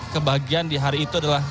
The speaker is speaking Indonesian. kebahagiaan di hari itu adalah